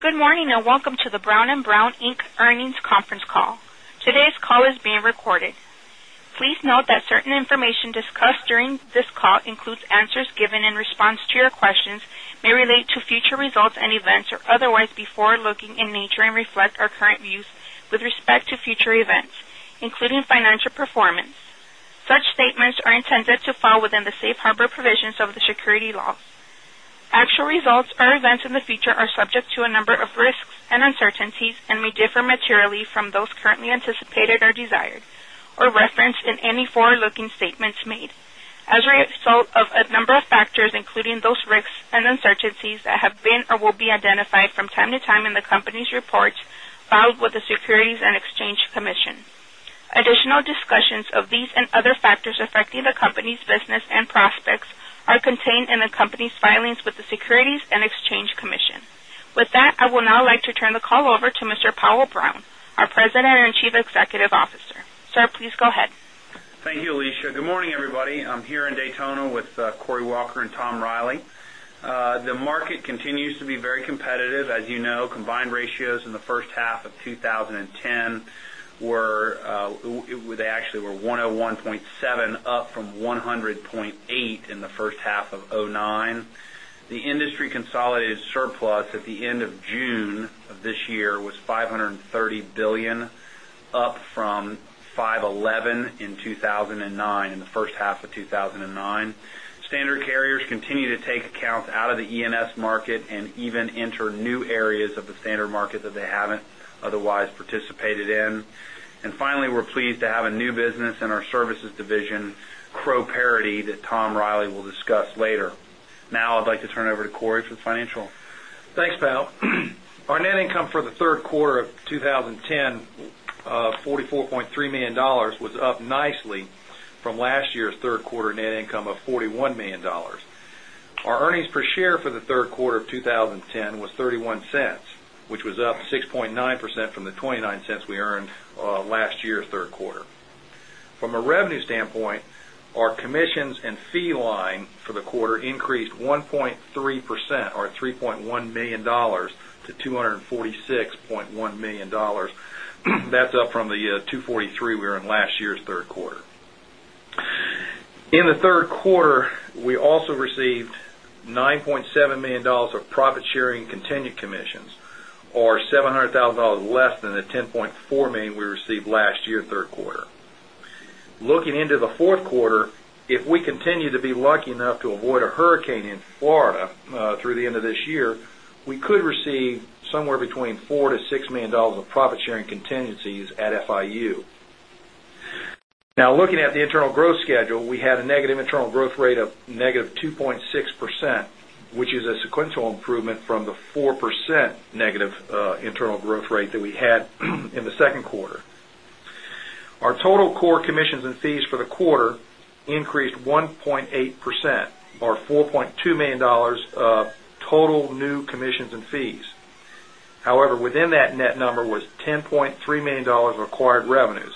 Good morning. Welcome to the Brown & Brown, Inc. earnings conference call. Today's call is being recorded. Please note that certain information discussed during this call includes answers given in response to your questions, may relate to future results and events or otherwise be forward-looking in nature and reflect our current views with respect to future events, including financial performance. Such statements are intended to fall within the safe harbor provisions of the securities laws. Actual results or events in the future are subject to a number of risks and uncertainties and may differ materially from those currently anticipated or desired or referenced in any forward-looking statements made as a result of a number of factors, including those risks and uncertainties that have been or will be identified from time to time in the company's reports filed with the Securities and Exchange Commission. Additional discussions of these and other factors affecting the company's business and prospects are contained in the company's filings with the Securities and Exchange Commission. With that, I will now like to turn the call over to Mr. Powell Brown, our President and Chief Executive Officer. Sir, please go ahead. Thank you, Alicia. Good morning, everybody. I'm here in Daytona with Cory Walker and Tom Reilly. The market continues to be very competitive. As you know, combined ratios in the first half of 2010, they actually were 101.7, up from 100.8 in the first half of 2009. The industry consolidated surplus at the end of June of this year was $530 billion, up from $511 billion in 2009, in the first half of 2009. Standard carriers continue to take accounts out of the E&S market and even enter new areas of the standard market that they haven't otherwise participated in. Finally, we're pleased to have a new business in our services division, Crowe Paradis, that Tom Reilly will discuss later. Now I'd like to turn it over to Cory for the financial. Thanks, Powell. Our net income for the third quarter of 2010, $44.3 million, was up nicely from last year's third quarter net income of $41 million. Our earnings per share for the third quarter of 2010 was $0.31, which was up 6.9% from the $0.29 we earned last year's third quarter. From a revenue standpoint, our commissions and fee line for the quarter increased 1.3%, or $3.1 million to $246.1 million. That's up from the $243 million we were in last year's third quarter. In the third quarter, we also received $9.7 million of profit-sharing contingent commissions, or $700,000 less than the $10.4 million we received last year, third quarter. Looking into the fourth quarter, if we continue to be lucky enough to avoid a hurricane in Florida through the end of this year, we could receive somewhere between $4 million-$6 million of profit-sharing contingencies at FIU. Looking at the internal growth schedule, we had a negative internal growth rate of -2.6%, which is a sequential improvement from the 4% negative internal growth rate that we had in the second quarter. Our total core commissions and fees for the quarter increased 1.8%, or $4.2 million of total new commissions and fees. Within that net number was $10.3 million of acquired revenues.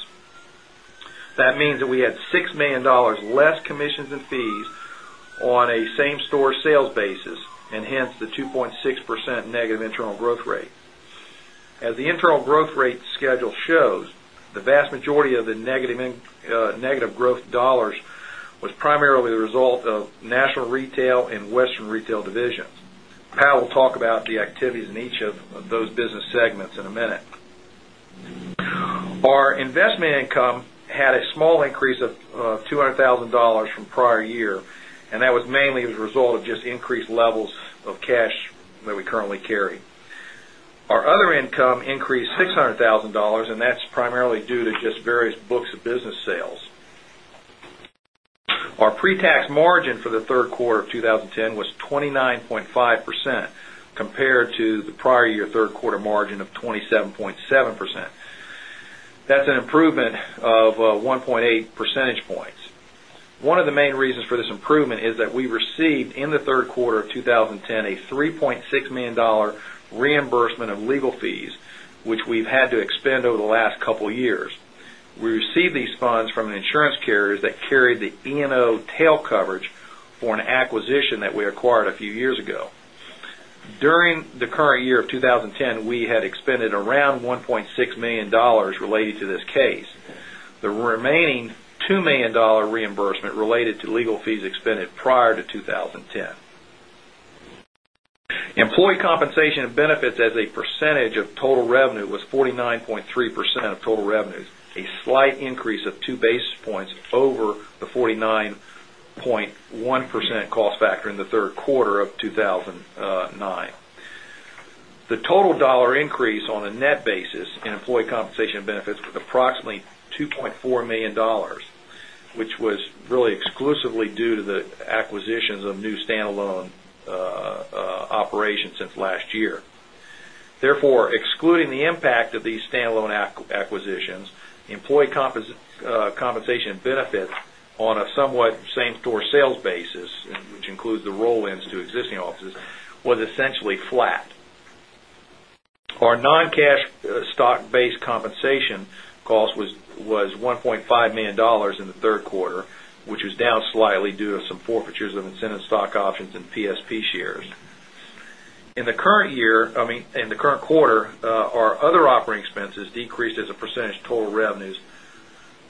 That means that we had $6 million less commissions and fees on a same-store sales basis, hence the 2.6% negative internal growth rate. As the internal growth rate schedule shows, the vast majority of the negative growth dollars was primarily the result of National Retail and Western Retail divisions. Powell will talk about the activities in each of those business segments in a minute. Our investment income had a small increase of $200,000 from prior year, That was mainly as a result of just increased levels of cash that we currently carry. Our other income increased $600,000, That's primarily due to just various books of business sales. Our pre-tax margin for the third quarter of 2010 was 29.5%, compared to the prior year third quarter margin of 27.7%. That's an improvement of 1.8 percentage points. One of the main reasons for this improvement is that we received in the third quarter of 2010 a $3.6 million reimbursement of legal fees, which we've had to expend over the last couple of years. We received these funds from insurance carriers that carried the E&O tail coverage for an acquisition that we acquired a few years ago. During the current year of 2010, we had expended around $1.6 million related to this case. The remaining $2 million reimbursement related to legal fees expended prior to 2010. Employee compensation and benefits as a percentage of total revenue was 49.3% of total revenues, a slight increase of two basis points over the 49.1% cost factor in the third quarter of 2009. The total dollar increase on a net basis in employee compensation and benefits was approximately $2.4 million, which was really exclusively due to the acquisitions of new standalone operations since last year. Excluding the impact of these standalone acquisitions, employee compensation and benefits on a somewhat same-store sales basis, which includes the roll-ins to existing offices, was essentially flat. Our non-cash stock-based compensation cost was $1.5 million in the third quarter, which was down slightly due to some forfeitures of incentive stock options and PSP shares. In the current quarter, our other operating expenses decreased as a percentage total revenues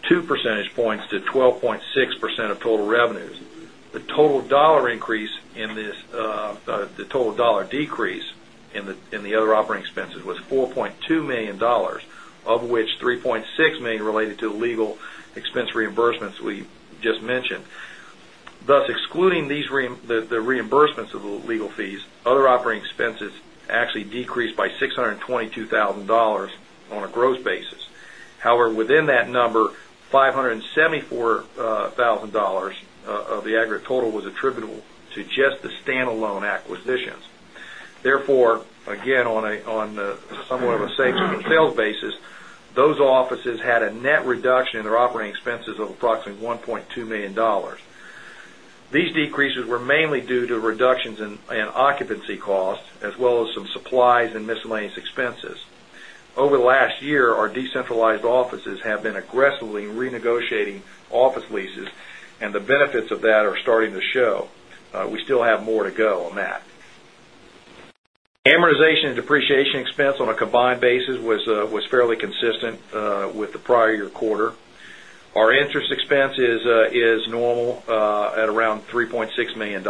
two percentage points to 12.6% of total revenues. The total dollar decrease in the other operating expenses was $4.2 million, of which $3.6 million related to legal expense reimbursements we just mentioned. Thus, excluding the reimbursements of legal fees, other operating expenses actually decreased by $622,000 on a gross basis. Within that number, $574,000 of the aggregate total was attributable to just the standalone acquisitions. Again, on somewhat of a same sales basis, those offices had a net reduction in their operating expenses of approximately $1.2 million. These decreases were mainly due to reductions in occupancy costs, as well as some supplies and miscellaneous expenses. Over the last year, our decentralized offices have been aggressively renegotiating office leases, and the benefits of that are starting to show. We still have more to go on that. Amortization and depreciation expense on a combined basis was fairly consistent with the prior year quarter. Our interest expense is normal at around $3.6 million.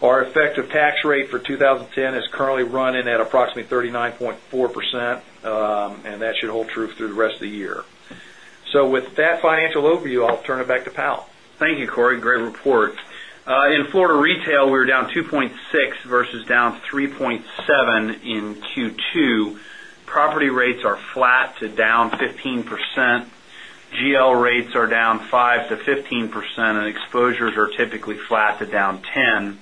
Our effective tax rate for 2010 is currently running at approximately 39.4%, and that should hold true through the rest of the year. With that financial overview, I'll turn it back to Powell. Thank you, Cory. Great report. In Florida retail, we were down 2.6% versus down 3.7% in Q2. Property rates are flat to down 15%. GL rates are down 5%-15%, and exposures are typically flat to down 10%.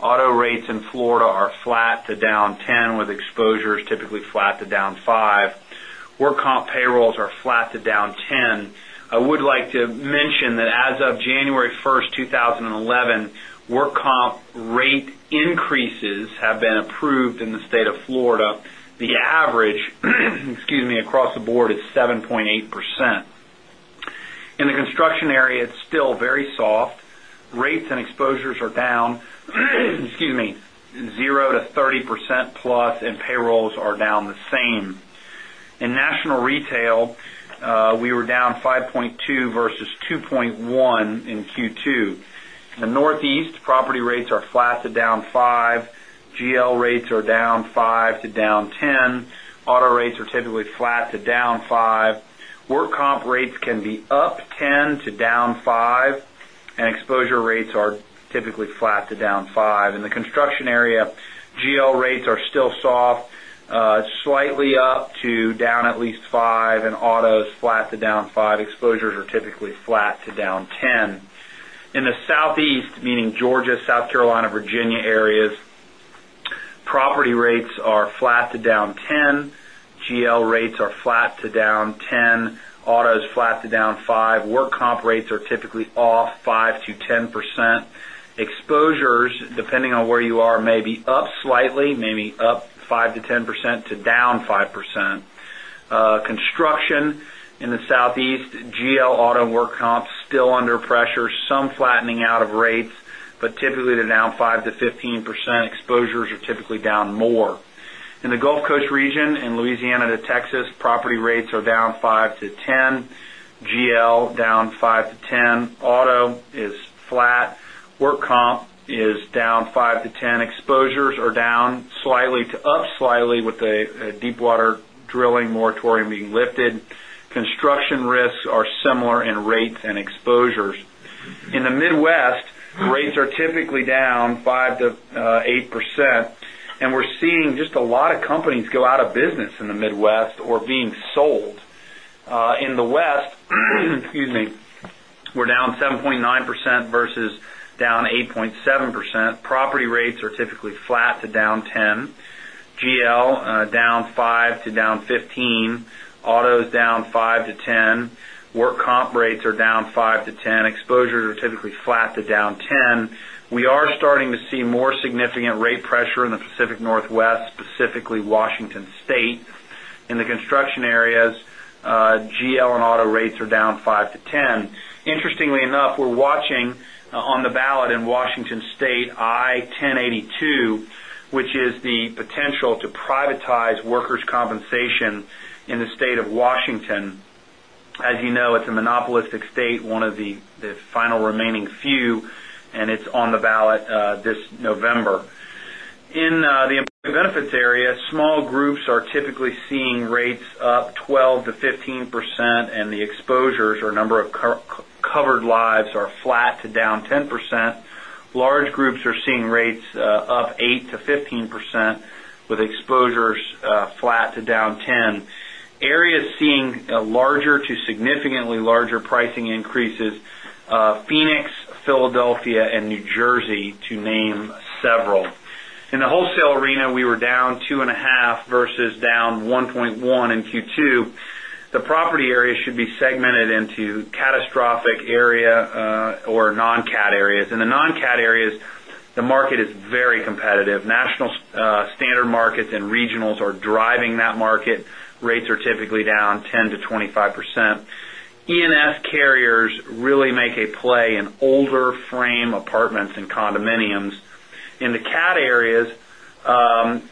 Auto rates in Florida are flat to down 10%, with exposures typically flat to down 5%. Work comp payrolls are flat to down 10%. I would like to mention that as of January 1st, 2011, work comp rate increases have been approved in the state of Florida. The average across the board is 7.8%. In the construction area, it's still very soft. Rates and exposures are down 0%-30% plus, and payrolls are down the same. In national retail, we were down 5.2% versus 2.1% in Q2. In the Northeast, property rates are flat to down 5%. GL rates are down 5% to down 10%. Auto rates are typically flat to down 5%. Work comp rates can be up 10% to down 5%, and exposure rates are typically flat to down 5%. In the construction area, GL rates are still soft, slightly up to down at least 5%, and autos flat to down 5%. Exposures are typically flat to down 10%. In the Southeast, meaning Georgia, South Carolina, Virginia areas, property rates are flat to down 10%. GL rates are flat to down 10%. Autos flat to down 5%. Work comp rates are typically off 5%-10%. Exposures, depending on where you are, may be up slightly, maybe up 5%-10% to down 5%. Construction in the Southeast, GL auto work comp still under pressure. Some flattening out of rates, but typically they're down 5%-15%. Exposures are typically down more. In the Gulf Coast region in Louisiana to Texas, property rates are down 5%-10%. GL down 5%-10%. Auto is flat. Work comp is down 5%-10%. Exposures are down slightly to up slightly with the deep water drilling moratorium being lifted. Construction risks are similar in rates and exposures. In the Midwest, rates are typically down 5%-8%. We're seeing just a lot of companies go out of business in the Midwest or being sold. In the West, we're down 7.9% versus down 8.7%. Property rates are typically flat to down 10%. GL down 5%-15%. Auto is down 5%-10%. Work comp rates are down 5%-10%. Exposures are typically flat to down 10%. We are starting to see more significant rate pressure in the Pacific Northwest, specifically Washington State. In the construction areas, GL and auto rates are down 5%-10%. Interestingly enough, we're watching on the ballot in Washington State I1082, which is the potential to privatize workers' compensation in the state of Washington. As you know, it's a monopolistic state, one of the final remaining few, and it's on the ballot this November. In the employee benefits area, small groups are typically seeing rates up 12%-15%, and the exposures or number of covered lives are flat to down 10%. Large groups are seeing rates up 8%-15%, with exposures flat to down 10%. Areas seeing larger to significantly larger pricing increases, Phoenix, Philadelphia, and New Jersey to name several. In the wholesale arena, we were down 2.5% versus down 1.1% in Q2. The property area should be segmented into catastrophic area or non-cat areas. In the non-cat areas, the market is very competitive. National standard markets and regionals are driving that market. Rates are typically down 10%-25%. E&S carriers really make a play in older frame apartments and condominiums. In the cat areas,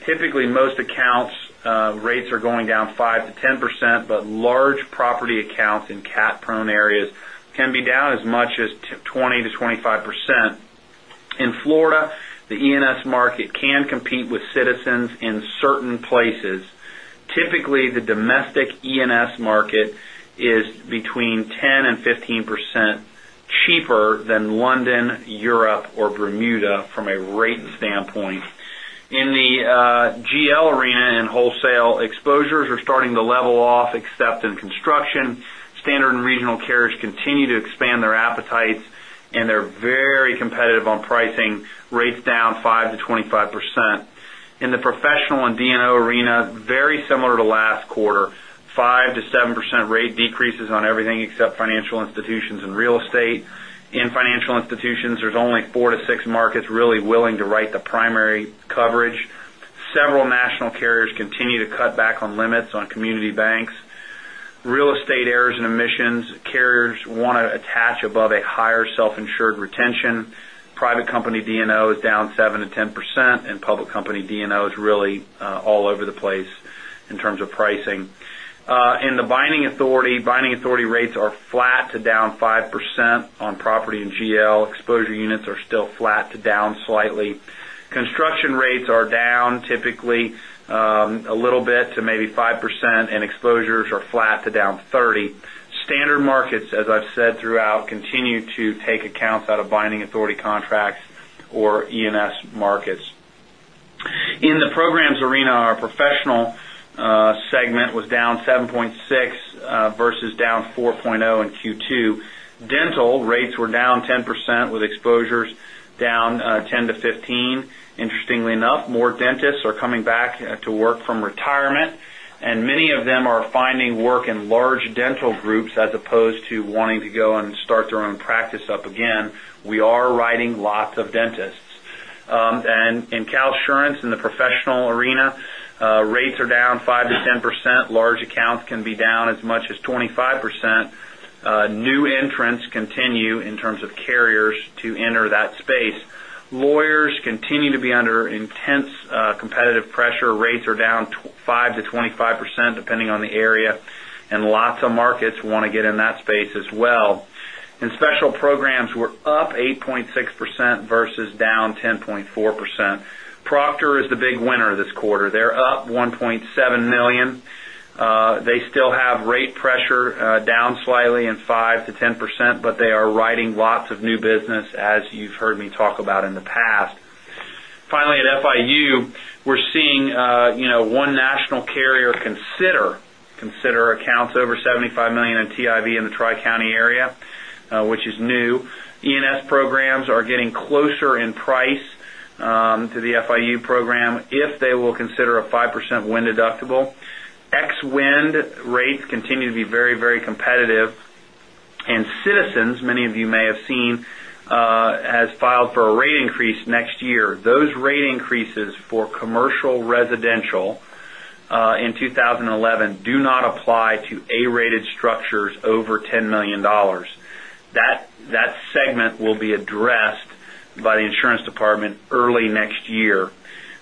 typically most accounts' rates are going down 5%-10%, but large property accounts in cat-prone areas can be down as much as 20%-25%. In Florida, the E&S market can compete with Citizens in certain places. Typically, the domestic E&S market is between 10% and 15% cheaper than London, Europe, or Bermuda from a rate standpoint. In the GL arena and wholesale, exposures are starting to level off, except in construction. Standard and regional carriers continue to expand their appetites, and they're very competitive on pricing, rates down 5%-25%. In the professional and D&O arena, very similar to last quarter, 5%-7% rate decreases on everything except financial institutions and real estate. In financial institutions, there's only four to six markets really willing to write the primary coverage. Several national carriers continue to cut back on limits on community banks. Real estate errors and omissions, carriers want to attach above a higher self-insured retention. Private company D&O is down 7%-10%, and public company D&O is really all over the place in terms of pricing. In the binding authority, binding authority rates are flat to down 5% on property and GL. Exposure units are still flat to down slightly. Construction rates are down typically a little bit to maybe 5%, and exposures are flat to down 30%. Standard markets, as I've said throughout, continue to take accounts out of binding authority contracts or E&S markets. In the programs arena, our professional segment was down 7.6% versus down 4.0% in Q2. Dental rates were down 10% with exposures down 10%-15%. Interestingly enough, more dentists are coming back to work from retirement, and many of them are finding work in large dental groups as opposed to wanting to go and start their own practice up again. We are writing lots of dentists. In CalSurance, in the professional arena, rates are down 5%-10%. Large accounts can be down as much as 25%. New entrants continue, in terms of carriers, to enter that space. Lawyers continue to be under intense competitive pressure. Rates are down 5%-25%, depending on the area, and lots of markets want to get in that space as well. In special programs, we're up 8.6% versus down 10.4%. Proctor is the big winner this quarter. They're up $1.7 million. They still have rate pressure down slightly in 5%-10%, but they are writing lots of new business, as you've heard me talk about in the past. Finally, at FIU, we're seeing one national carrier consider accounts over $75 million in TIV in the Tri-County area, which is new. E&S programs are getting closer in price to the FIU program if they will consider a 5% wind deductible. Ex-wind rates continue to be very competitive. Citizens, many of you may have seen, has filed for a rate increase next year. Those rate increases for commercial residential in 2011 do not apply to A-rated structures over $10 million. That segment will be addressed by the Department of Insurance early next year.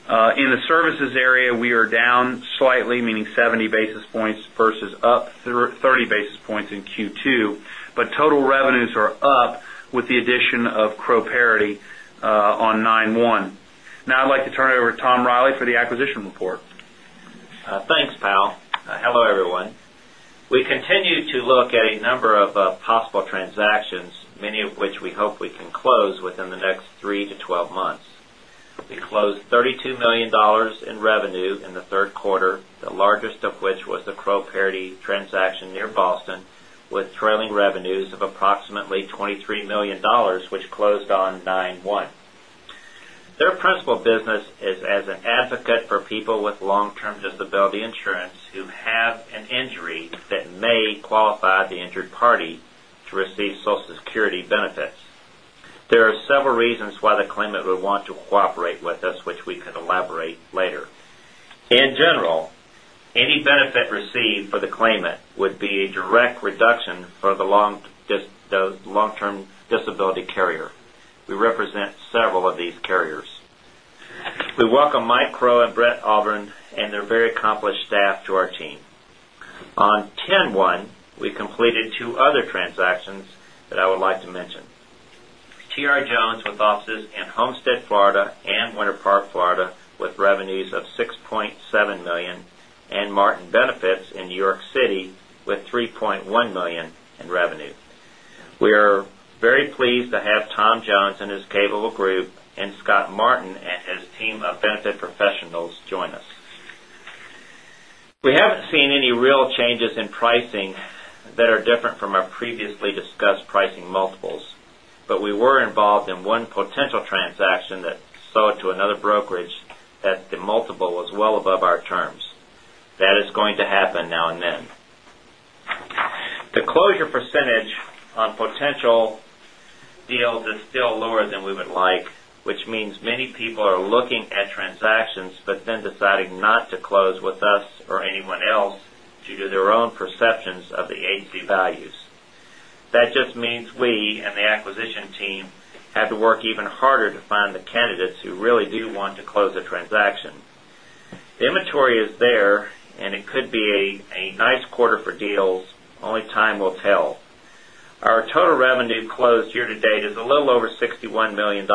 In the services area, we are down slightly, meaning 70 basis points versus up 30 basis points in Q2, but total revenues are up with the addition of Crowe Paradis on 9/1. Now I'd like to turn it over to Tom Reilly for the acquisition report. Thanks, Powell. Hello, everyone. We continue to look at a number of possible transactions, many of which we hope we can close within the next 3-12 months. We closed $32 million in revenue in the third quarter, the largest of which was the Crowe Paradis transaction near Boston, with trailing revenues of approximately $23 million, which closed on 9/1. Their principal business is as an advocate for people with long-term disability insurance who have an injury that may qualify the injured party to receive Social Security benefits. There are several reasons why the claimant would want to cooperate with us, which we can elaborate later. In general, any benefit received for the claimant would be a direct reduction for the long-term disability carrier. We represent several of these carriers. We welcome Mike Crowe and Brett Hartranft and their very accomplished staff to our team. On 10/1, we completed two other transactions that I would like to mention. T.R. Jones, with offices in Homestead, Florida, and Winter Park, Florida, with revenues of $6.7 million, and Martin Benefits in New York City with $3.1 million in revenue. We are very pleased to have Tom Johnson, his capable group, and Scott Martin and his team of benefit professionals join us. We haven't seen any real changes in pricing that are different from our previously discussed pricing multiples. We were involved in one potential transaction that sold to another brokerage that the multiple was well above our terms. That is going to happen now and then. The closure percentage on potential deals is still lower than we would like, which means many people are looking at transactions but then deciding not to close with us or anyone else due to their own perceptions of the AC values. That just means we and the acquisition team have to work even harder to find the candidates who really do want to close the transaction. The inventory is there, and it could be a nice quarter for deals. Only time will tell. Our total revenue closed year to date is a little over $61 million.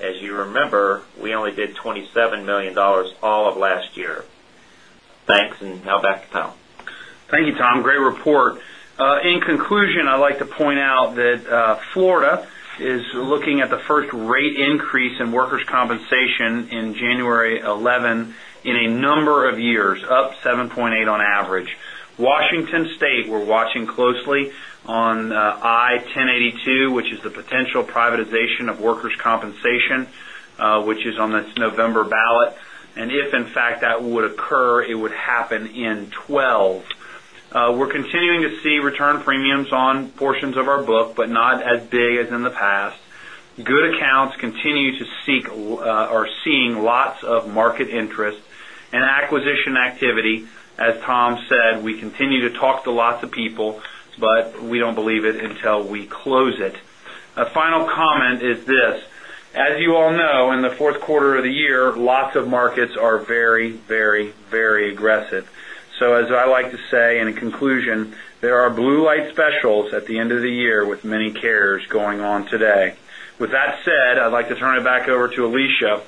As you remember, we only did $27 million all of last year. Thanks. Now back to Powell. Thank you, Tom. Great report. In conclusion, I'd like to point out that Florida is looking at the first rate increase in workers' compensation in January 2011 in a number of years, up 7.8% on average. Washington State, we're watching closely on I-1082, which is the potential privatization of workers' compensation, which is on this November ballot. If, in fact, that would occur, it would happen in 2012. We're continuing to see return premiums on portions of our book, but not as big as in the past. Good accounts continue to seek or are seeing lots of market interest. In acquisition activity, as Tom said, we continue to talk to lots of people, but we don't believe it until we close it. A final comment is this. As you all know, in the fourth quarter of the year, lots of markets are very aggressive. As I like to say in conclusion, there are blue light specials at the end of the year with many carriers going on today. With that said, I'd like to turn it back over to Alicia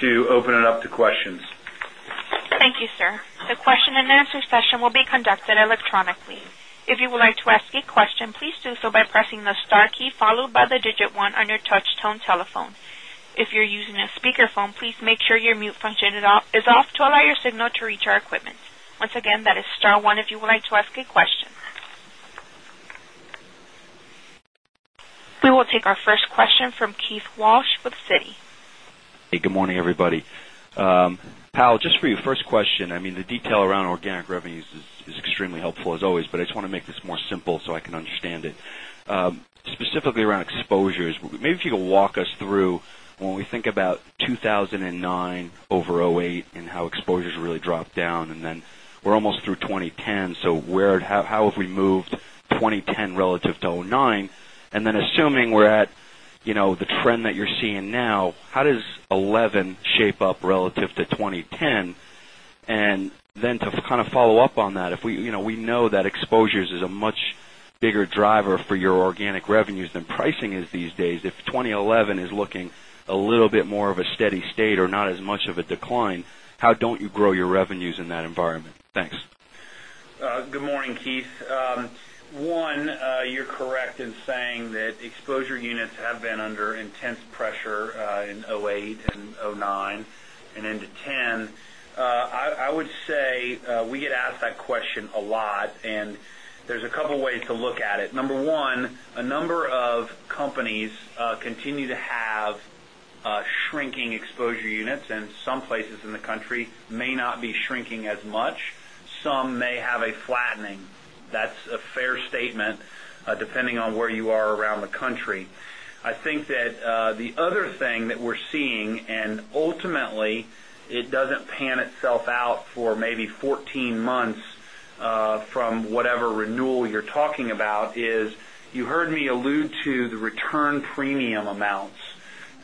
to open it up to questions. Thank you, sir. The question and answer session will be conducted electronically. If you would like to ask a question, please do so by pressing the star key followed by the digit one on your touch-tone telephone. If you're using a speakerphone, please make sure your mute function is off to allow your signal to reach our equipment. Once again, that is star one if you would like to ask a question. We will take our first question from Keith Walsh with Citi. Hey, good morning, everybody. Powell, just for you, first question, the detail around organic revenues is extremely helpful as always, but I just want to make this more simple so I can understand it. Specifically around exposures, maybe if you could walk us through when we think about 2009 over 2008 and how exposures really dropped down, then we're almost through 2010, so how have we moved 2010 relative to 2009? Assuming we're at the trend that you're seeing now, how does 2011 shape up relative to 2010? To follow up on that, we know that exposures is a much bigger driver for your organic revenues than pricing is these days. If 2011 is looking a little bit more of a steady state or not as much of a decline, how don't you grow your revenues in that environment? Thanks. Good morning, Keith. One, you're correct in saying that exposure units have been under intense pressure in 2008 and 2009 and into 2010. I would say we get asked that question a lot, and there's a couple of ways to look at it. Number one, a number of companies continue to have shrinking exposure units, and some places in the country may not be shrinking as much. Some may have a flattening. That's a fair statement, depending on where you are around the country. I think that the other thing that we're seeing, and ultimately it doesn't pan itself out for maybe 14 months from whatever renewal you're talking about, is you heard me allude to the return premium amounts.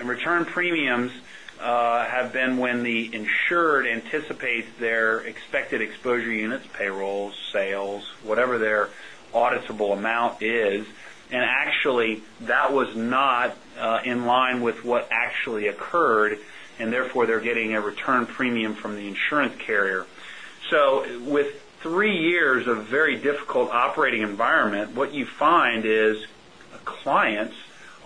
Return premiums have been when the insured anticipates their expected exposure units, payrolls, sales, whatever their auditable amount is, and actually that was not in line with what actually occurred, and therefore, they're getting a return premium from the insurance carrier. With three years of very difficult operating environment, what you find is clients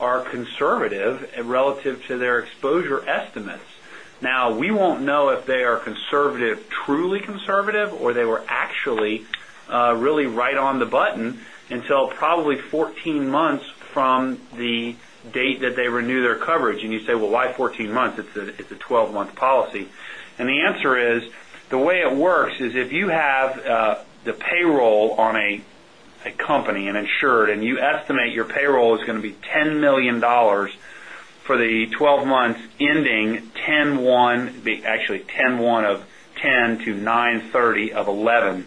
are conservative relative to their exposure estimates. Now, we won't know if they are conservative, truly conservative, or they were actually really right on the button until probably 14 months from the date that they renew their coverage. You say, "Well, why 14 months? It's a 12-month policy." The answer is, the way it works is if you have the payroll on a company, an insured, and you estimate your payroll is going to be $10 million for the 12 months ending 10/1/2010 to 9/30/2011.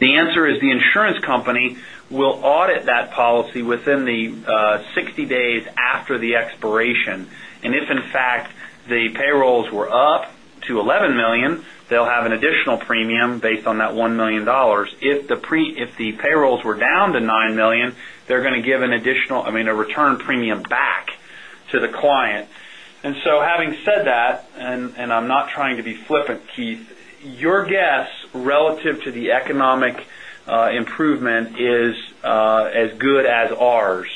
The answer is the insurance company will audit that policy within the 60 days after the expiration. If, in fact, the payrolls were up to $11 million, they'll have an additional premium based on that $1 million. If the payrolls were down to $9 million, they're going to give a return premium back to the client. Having said that, I'm not trying to be flippant, Keith, your guess relative to the economic improvement is as good as ours.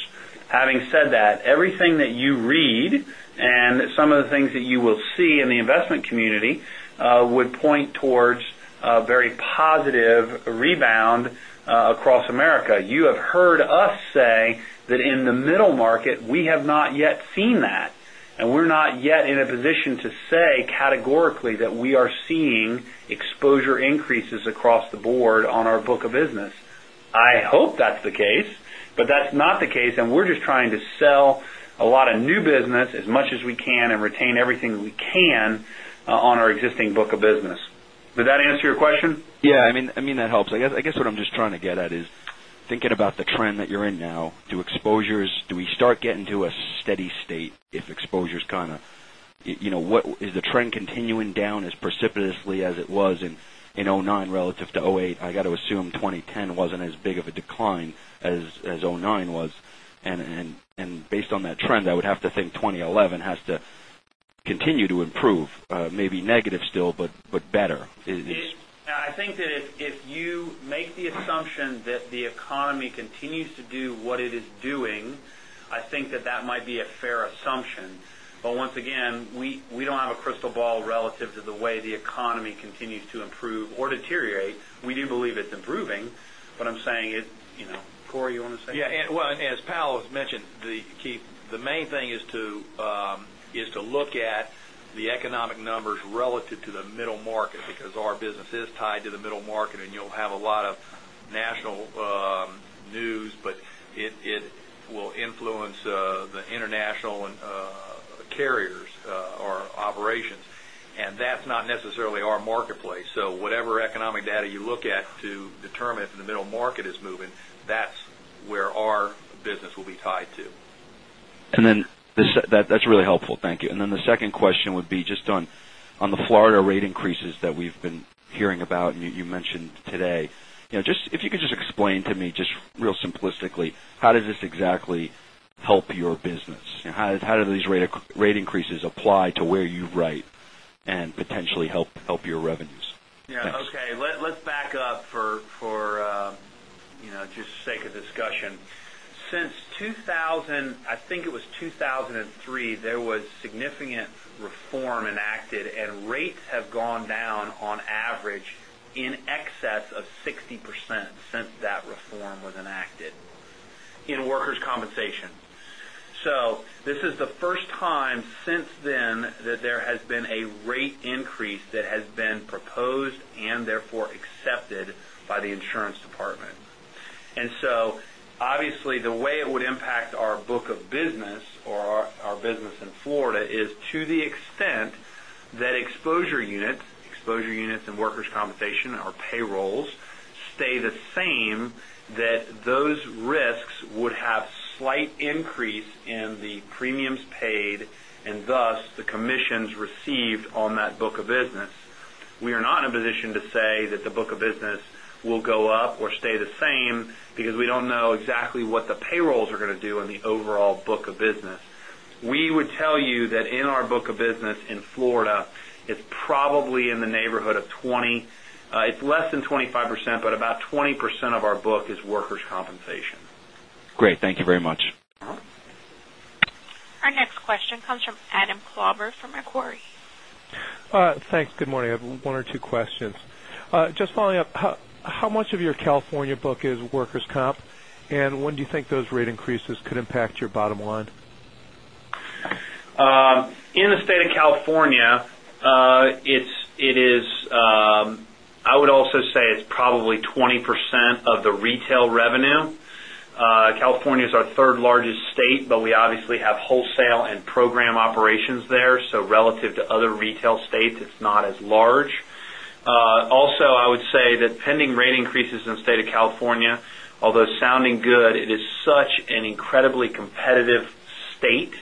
Having said that, everything that you read and some of the things that you will see in the investment community would point towards a very positive rebound across America. You have heard us say that in the middle market, we have not yet seen that. We're not yet in a position to say categorically that we are seeing exposure increases across the board on our book of business. I hope that's the case, but that's not the case, and we're just trying to sell a lot of new business as much as we can and retain everything that we can on our existing book of business. Did that answer your question? Yeah. That helps. I guess what I'm just trying to get at is thinking about the trend that you're in now, do we start getting to a steady state if exposure's Is the trend continuing down as precipitously as it was in 2009 relative to 2008? I got to assume 2010 wasn't as big of a decline as 2009 was. Based on that trend, I would have to think 2011 has to continue to improve. Maybe negative still, but better. I think that if you make the assumption that the economy continues to do what it is doing, I think that that might be a fair assumption. Once again, we don't have a crystal ball relative to the way the economy continues to improve or deteriorate. We do believe it's improving, but Cory, you want to say? Yeah. Well, as Powell has mentioned, Keith, the main thing is to look at the economic numbers relative to the middle market, because our business is tied to the middle market, you'll have a lot of national news, but it will influence the international carriers or operations. That's not necessarily our marketplace. Whatever economic data you look at to determine if the middle market is moving, that's where our business will be tied to. That's really helpful. Thank you. The second question would be just on the Florida rate increases that we've been hearing about, and you mentioned today. If you could just explain to me, just real simplistically, how does this exactly help your business? How do these rate increases apply to where you write and potentially help your revenues? Thanks. Yeah. Okay. Let's back up for just sake of discussion. Since 2000, I think it was 2003, there was significant reform enacted, and rates have gone down on average in excess of 60% since that reform was enacted in workers' compensation. This is the first time since then that there has been a rate increase that has been proposed and therefore accepted by the insurance department. Obviously, the way it would impact our book of business or our business in Florida is to the extent that exposure units, exposure units in workers' compensation or payrolls, stay the same, that those risks would have slight increase in the premiums paid, and thus, the commissions received on that book of business. We are not in a position to say that the book of business will go up or stay the same because we don't know exactly what the payrolls are going to do in the overall book of business. We would tell you that in our book of business in Florida, it's probably in the neighborhood of 20. It's less than 25%, but about 20% of our book is workers' compensation. Great. Thank you very much. Our next question comes from Adam Klauber from Macquarie. Thanks. Good morning. I have one or two questions. Just following up, how much of your California book is workers' comp, and when do you think those rate increases could impact your bottom line? In the state of California, I would also say it's probably 20% of the retail revenue. California is our third largest state, but we obviously have wholesale and program operations there, so relative to other retail states, it's not as large. Also, I would say that pending rate increases in the state of California, although sounding good, it is such an incredibly competitive state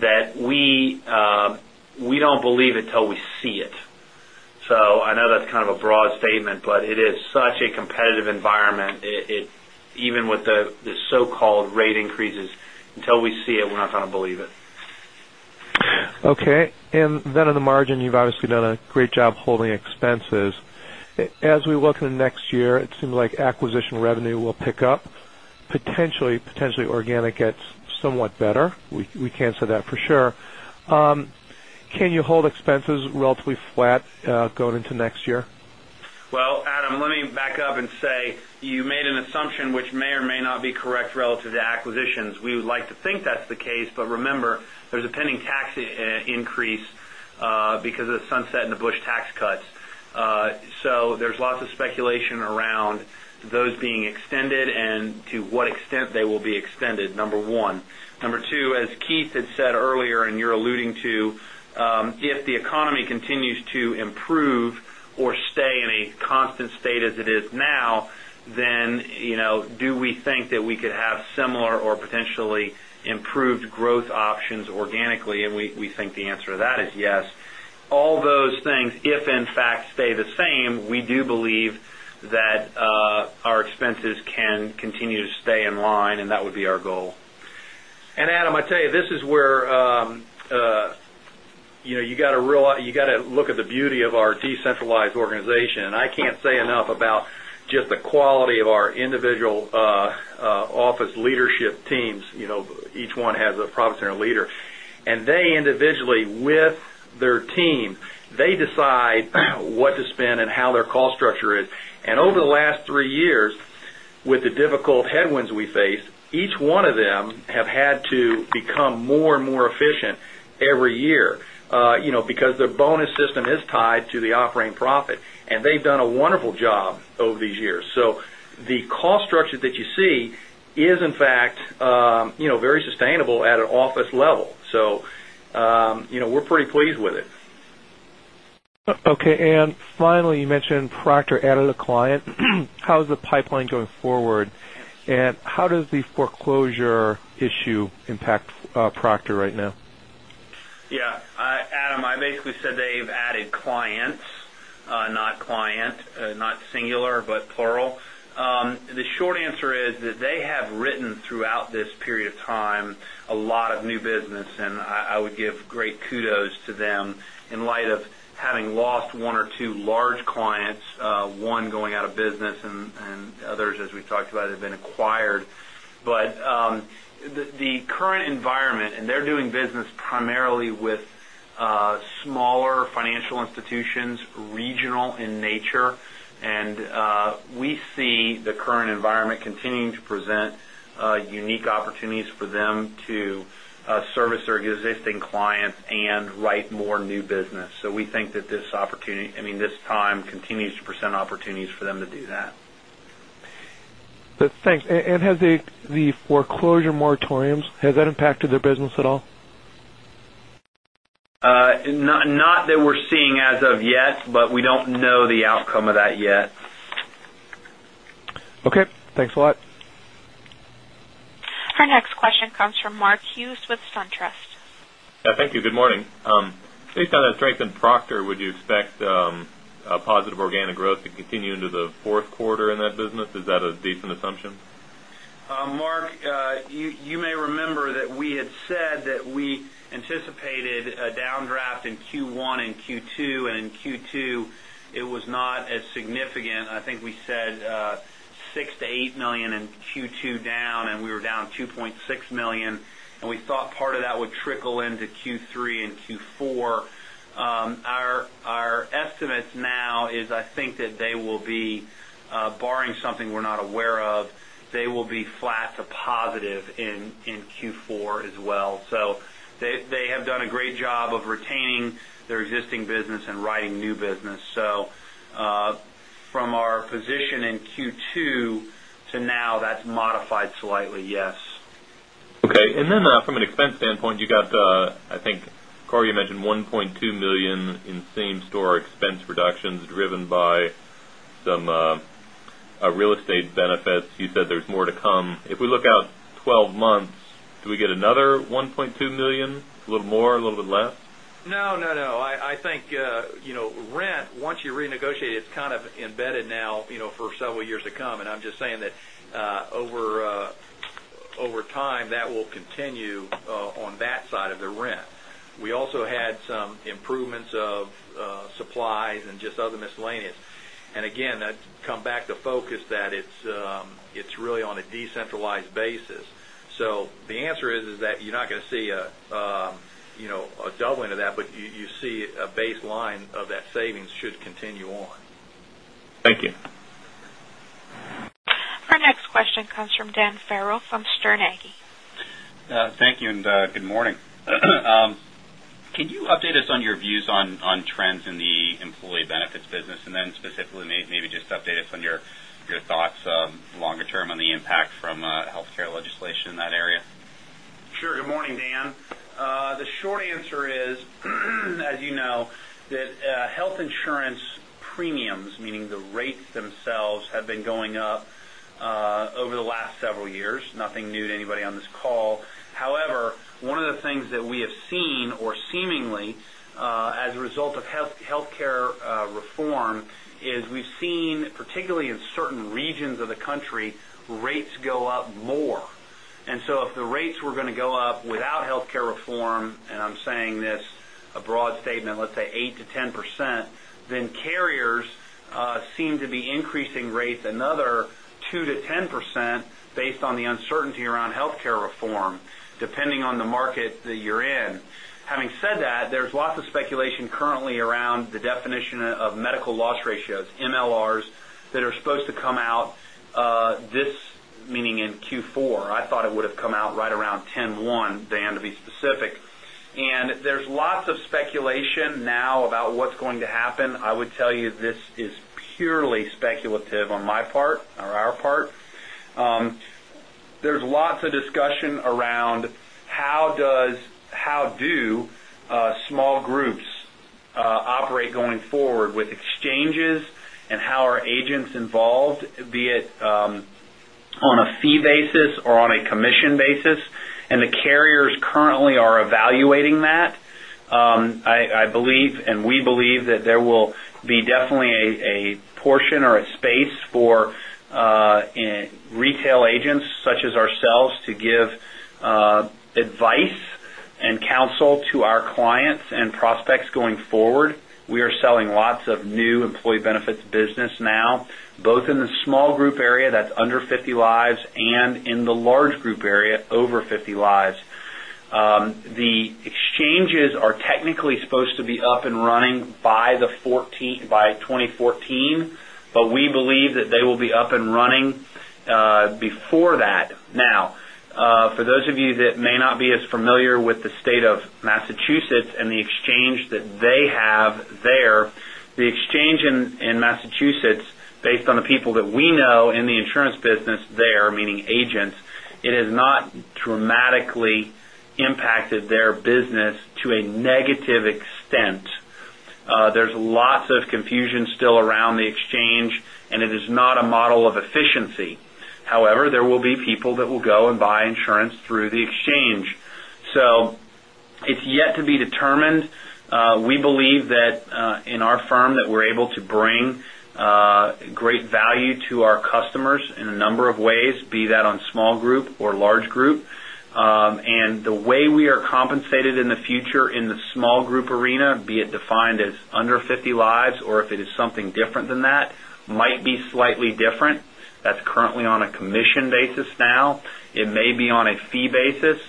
that we don't believe it till we see it. I know that's kind of a broad statement, but it is such a competitive environment, even with the so-called rate increases. Until we see it, we're not going to believe it. Okay. Then on the margin, you've obviously done a great job holding expenses. As we look to the next year, it seems like acquisition revenue will pick up. Potentially organic gets somewhat better. We can't say that for sure. Can you hold expenses relatively flat going into next year? Well, Adam, let me back up and say you made an assumption which may or may not be correct relative to acquisitions. Remember, there's a pending tax increase because of the sunset and the Bush tax cuts. There's lots of speculation around those being extended and to what extent they will be extended, number one. Number two, as Keith had said earlier, and you're alluding to, if the economy continues to improve or stay in a constant state as it is now, then do we think that we could have similar or potentially improved growth options organically? We think the answer to that is yes. All those things, if in fact stay the same, we do believe that our expenses can continue to stay in line, and that would be our goal. Adam, I tell you, this is where you got to look at the beauty of our decentralized organization. I can't say enough about just the quality of our individual office leadership teams. Each one has a profit center leader. They individually, with their team, they decide what to spend and how their cost structure is. Over the last three years- With the difficult headwinds we faced, each one of them have had to become more and more efficient every year, because their bonus system is tied to the operating profit, and they've done a wonderful job over these years. The cost structure that you see is, in fact, very sustainable at an office level. We're pretty pleased with it. Okay. Finally, you mentioned Proctor added a client. How's the pipeline going forward? How does the foreclosure issue impact Proctor right now? Yeah. Adam, I basically said they've added clients, not client. Not singular, but plural. The short answer is that they have written, throughout this period of time, a lot of new business, and I would give great kudos to them in light of having lost one or two large clients, one going out of business and others, as we've talked about, have been acquired. The current environment, and they're doing business primarily with smaller financial institutions, regional in nature. We see the current environment continuing to present unique opportunities for them to service their existing clients and write more new business. We think that this time continues to present opportunities for them to do that. Thanks. Have the foreclosure moratoriums, has that impacted their business at all? Not that we're seeing as of yet, we don't know the outcome of that yet. Okay. Thanks a lot. Our next question comes from Mark Hughes with SunTrust. Thank you. Good morning. Based on the strength in Proctor, would you expect a positive organic growth to continue into the fourth quarter in that business? Is that a decent assumption? Mark, you may remember that we had said that we anticipated a downdraft in Q1 and Q2. In Q2 it was not as significant. I think we said $6 million-$8 million in Q2 down. We were down $2.6 million. We thought part of that would trickle into Q3 and Q4. Our estimate now is, I think that they will be, barring something we're not aware of, they will be flat to positive in Q4 as well. They have done a great job of retaining their existing business and writing new business. From our position in Q2 to now, that's modified slightly, yes. Okay. Then from an expense standpoint, you got, I think, Cory, you mentioned $1.2 million in same-store expense reductions driven by some real estate benefits. You said there's more to come. If we look out 12 months, do we get another $1.2 million? A little more? A little bit less? No. I think rent, once you renegotiate it's kind of embedded now for several years to come. I'm just saying that over time, that will continue on that side of the rent. We also had some improvements of supplies and just other miscellaneous. Again, that come back to focus that it's really on a decentralized basis. The answer is that you're not going to see a doubling of that, but you see a baseline of that savings should continue on. Thank you. Our next question comes from Dan Farrell from Sterne. Thank you and good morning. Can you update us on your views on trends in the employee benefits business? Specifically, maybe just update us on your thoughts longer term on the impact from healthcare legislation in that area. Sure. Good morning, Dan. The short answer is, as you know, that health insurance premiums, meaning the rates themselves, have been going up over the last several years. Nothing new to anybody on this call. However, one of the things that we have seen, or seemingly, as a result of healthcare reform, is we've seen, particularly in certain regions of the country, rates go up more. If the rates were going to go up without healthcare reform, and I'm saying this a broad statement, let's say 8%-10%, then carriers seem to be increasing rates another 2%-10% based on the uncertainty around healthcare reform, depending on the market that you're in. Having said that, there's lots of speculation currently around the definition of medical loss ratios, MLRs, that are supposed to come out this, meaning in Q4. I thought it would have come out right around 10/1, Dan, to be specific. There's lots of speculation now about what's going to happen. I would tell you this is purely speculative on my part, or our part. There's lots of discussion around how do small groups operate going forward with exchanges and how are agents involved, be it on a fee basis or on a commission basis, and the carriers currently are evaluating that. I believe, and we believe that there will be definitely a portion or a space for retail agents, such as ourselves, to give advice and counsel to our clients and prospects going forward. We are selling lots of new employee benefits business now, both in the small group area, that's under 50 lives, and in the large group area, over 50 lives. The exchanges are technically supposed to be up and running by 2014, but we believe that they will be up and running before that. Now, for those of you that may not be as familiar with the state of Massachusetts and the exchange that they have there, the exchange in Massachusetts, based on the people that we know in the insurance business there, meaning agents, it has not dramatically impacted their business to a negative extent. There's lots of confusion still around the exchange, and it is not a model of efficiency. However, there will be people that will go and buy insurance through the exchange. It's yet to be determined. We believe that in our firm that we're able to bring great value to our customers in a number of ways, be that on small group or large group. The way we are compensated in the future in the small group arena, be it defined as under 50 lives or if it is something different than that, might be slightly different. That's currently on a commission basis now. It may be on a fee basis.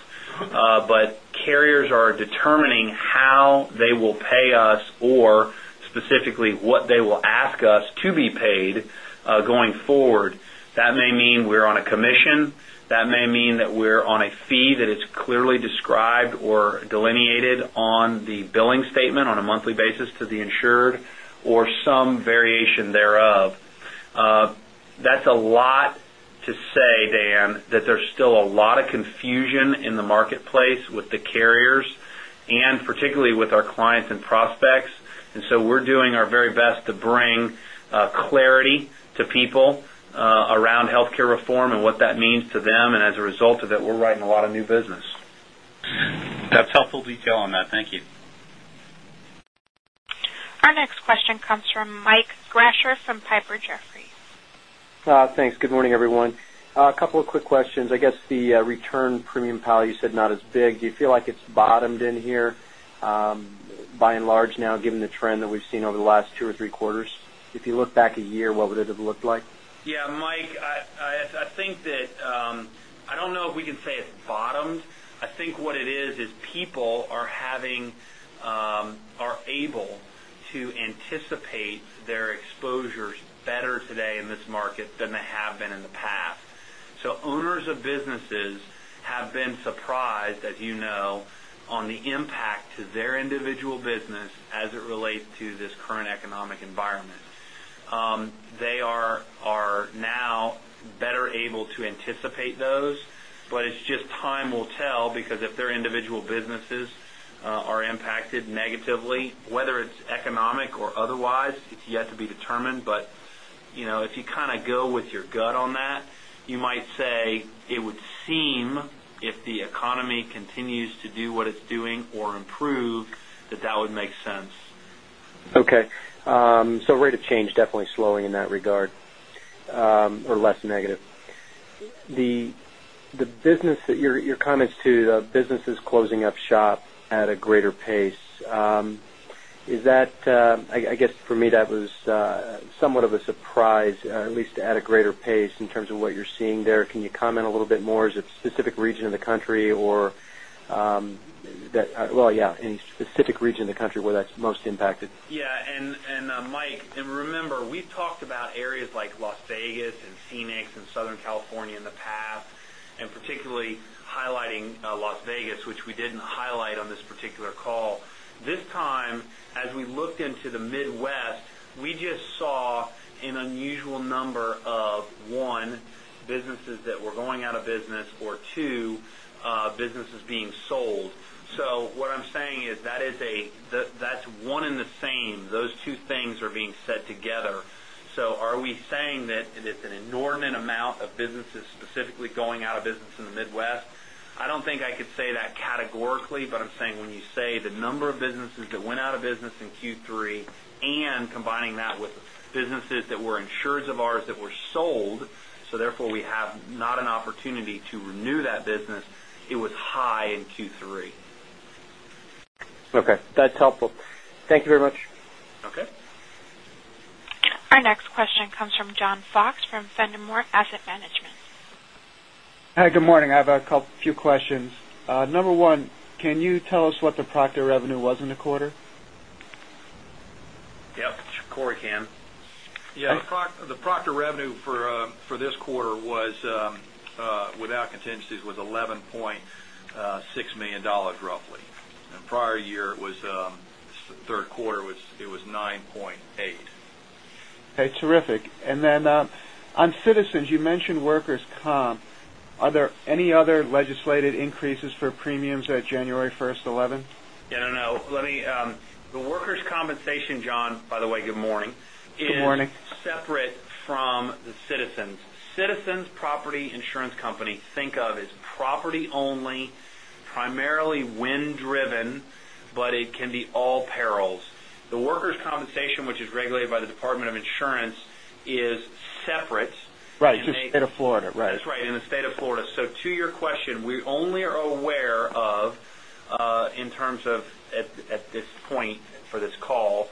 Carriers are determining how they will pay us or specifically what they will ask us to be paid going forward. That may mean we're on a commission. That may mean that we're on a fee that is clearly described or delineated on the billing statement on a monthly basis to the insured or some variation thereof. That's a lot to say, Dan, that there's still a lot of confusion in the marketplace with the carriers and particularly with our clients and prospects. We're doing our very best to bring clarity to people around healthcare reform and what that means to them. As a result of it, we're writing a lot of new business. That's helpful detail on that. Thank you. Our next question comes from Mike Grasher from Piper Jaffray. Thanks. Good morning, everyone. A couple of quick questions. I guess the return premium, Powell, you said not as big. Do you feel like it's bottomed in here by and large now, given the trend that we've seen over the last two or three quarters? If you look back a year, what would it have looked like? Yeah, Mike, I don't know if we can say it's bottomed. I think what it is people are able to anticipate their exposures better today in this market than they have been in the past. Owners of businesses have been surprised, as you know, on the impact to their individual business as it relates to this current economic environment. They are now better able to anticipate those. It's just time will tell because if their individual businesses are impacted negatively, whether it's economic or otherwise, it's yet to be determined. If you kind of go with your gut on that, you might say it would seem if the economy continues to do what it's doing or improve, that that would make sense. Okay. Rate of change definitely slowing in that regard or less negative. Your comments to the businesses closing up shop at a greater pace. I guess for me, that was somewhat of a surprise, at least at a greater pace in terms of what you're seeing there. Can you comment a little bit more? Is it a specific region of the country or any specific region of the country where that's most impacted? Yeah. Mike, and remember, we've talked about areas like Las Vegas and Phoenix and Southern California in the past, and particularly highlighting Las Vegas, which we didn't highlight on this particular call. This time, as we looked into the Midwest, we just saw an unusual number of, one, businesses that were going out of business or two, businesses being sold. What I'm saying is that's one and the same. Those two things are being said together. Are we saying that it's an inordinate amount of businesses specifically going out of business in the Midwest? I don't think I could say that categorically, I'm saying when you say the number of businesses that went out of business in Q3 and combining that with businesses that were insureds of ours that were sold, therefore we have not an opportunity to renew that business, it was high in Q3. Okay. That's helpful. Thank you very much. Okay. Our next question comes from John Fox from Fenimore Asset Management. Hi. Good morning. I have a few questions. Number one, can you tell us what the Proctor revenue was in the quarter? Yep. Cory can. Yeah. The Proctor revenue for this quarter without contingencies was $11.6 million roughly. Prior year, third quarter, it was $9.8 million. Okay. Terrific. Then on Citizens, you mentioned workers' comp. Are there any other legislated increases for premiums at January 1st 2011? No. The workers' compensation, John, by the way, good morning. Good morning is separate from the Citizens. Citizens Property Insurance Company, think of as property only, primarily wind-driven, but it can be all perils. The workers' compensation, which is regulated by the Department of Insurance, is separate. Right. In the State of Florida. Right. That's right. In the State of Florida. To your question, we only are aware of In terms of at this point for this call,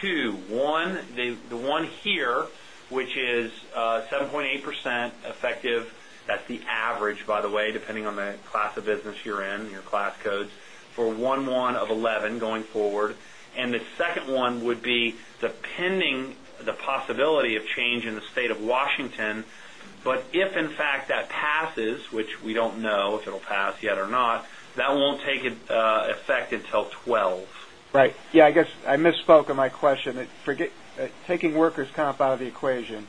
two. One, the one here, which is 7.8% effective. That's the average, by the way, depending on the class of business you're in, your class codes, for 1/1 of 2011 going forward. The second one would be depending the possibility of change in the State of Washington. If in fact that passes, which we don't know if it'll pass yet or not, that won't take effect until 2012. Right. Yeah, I guess I misspoke on my question. Taking workers' comp out of the equation,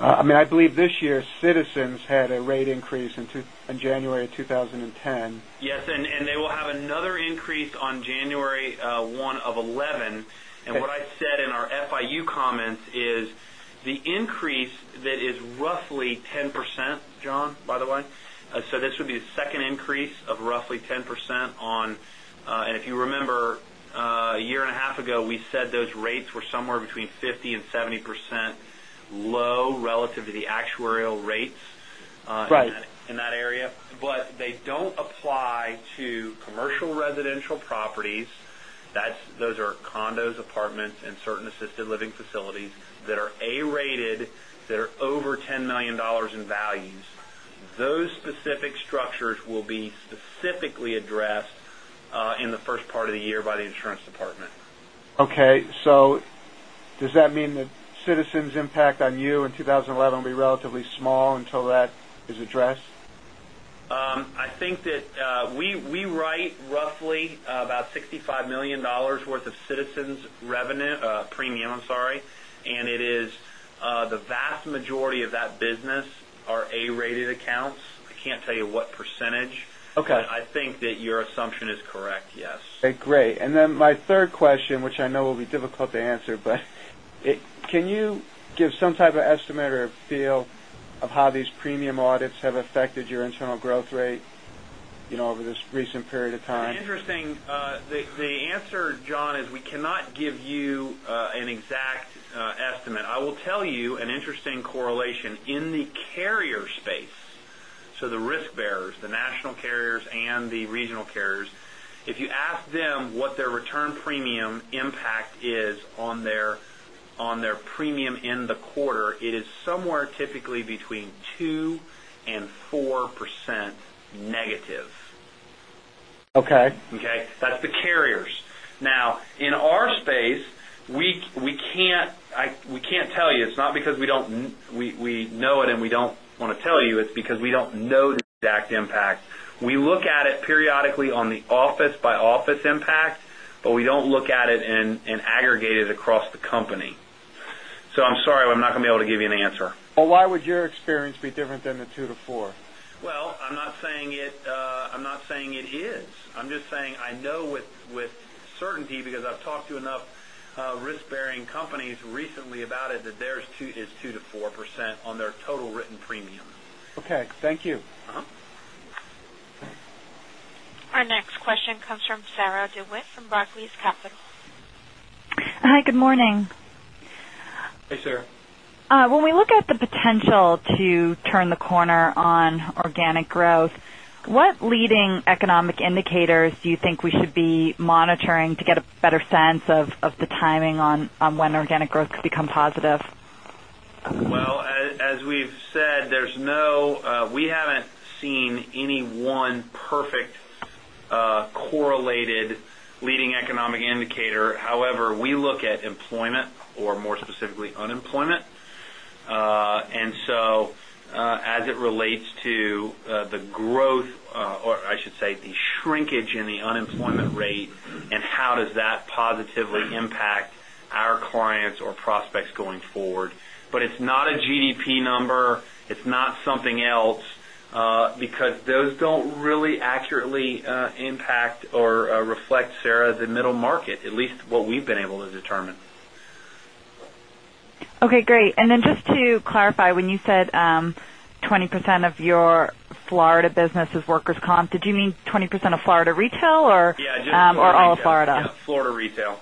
I believe this year, Citizens had a rate increase in January of 2010. Yes, they will have another increase on January 1 of 2011. What I said in our FIU comments is the increase that is roughly 10%, John, by the way. This would be the second increase of roughly 10%. If you remember, a year and a half ago, we said those rates were somewhere between 50% and 70% low relative to the actuarial rates. Right In that area. They don't apply to commercial residential properties. Those are condos, apartments, and certain assisted living facilities that are A-rated, that are over $10 million in values. Those specific structures will be specifically addressed in the first part of the year by the Department of Insurance. Okay. Does that mean that Citizens' impact on you in 2011 will be relatively small until that is addressed? I think that we write roughly about $65 million worth of Citizens premium. The vast majority of that business are A-rated accounts. I can't tell you what percentage. Okay. I think that your assumption is correct, yes. Okay, great. My third question, which I know will be difficult to answer, but can you give some type of estimate or a feel of how these premium audits have affected your internal growth rate over this recent period of time? The answer, John, is we cannot give you an exact estimate. I will tell you an interesting correlation in the carrier space. The risk bearers, the national carriers, and the regional carriers, if you ask them what their return premium impact is on their premium in the quarter, it is somewhere typically between 2% and 4% negative. Okay. Okay? That's the carriers. In our space, we can't tell you. It's not because we know it and we don't want to tell you. It's because we don't know the exact impact. We look at it periodically on the office by office impact, but we don't look at it and aggregate it across the company. I'm sorry, but I'm not going to be able to give you an answer. Why would your experience be different than the 2%-4%? Well, I'm not saying it is. I'm just saying I know with certainty because I've talked to enough risk-bearing companies recently about it, that theirs is 2%-4% on their total written premium. Okay. Thank you. Our next question comes from Sarah DeWitt from Barclays Capital. Hi, good morning. Hey, Sarah. When we look at the potential to turn the corner on organic growth, what leading economic indicators do you think we should be monitoring to get a better sense of the timing on when organic growth could become positive? Well, as we've said, we haven't seen any one perfect correlated leading economic indicator. However, we look at employment or more specifically, unemployment. As it relates to the growth, or I should say the shrinkage in the unemployment rate, and how does that positively impact our clients or prospects going forward. It's not a GDP number. It's not something else. Because those don't really accurately impact or reflect, Sarah, the middle market, at least what we've been able to determine. Okay, great. Just to clarify, when you said 20% of your Florida business is workers' comp, did you mean 20% of Florida retail or all of Florida? Yeah, Florida retail.